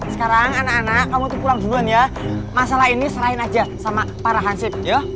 sekarang anak anak kamu pulang duluan ya masalah ini serahin aja sama para hansip